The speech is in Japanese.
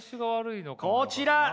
こちら！